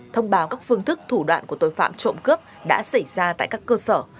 thông báo các phương thức thủ đoạn của tội phạm trộm cướp đã xảy ra tại các cơ sở